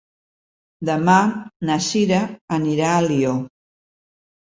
Demà na Cira anirà a Alió.